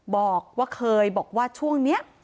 บอกว่าเคยบอกว่าช่วงนี้